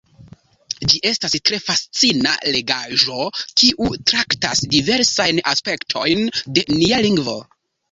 Ĝi estas tre fascina legaĵo, kiu traktas diversajn aspektojn de nia lingvo.